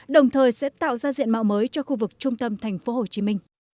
đồng thời sẽ tạo ra diện mạo mới cho khu vực trung tâm tp hcm